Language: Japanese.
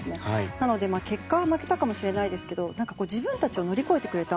なので、結果は負けたかもしれないですけど自分たちを乗り越えてくれた。